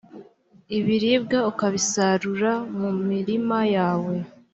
ibiribwa ukabisarura mu mirima yawe.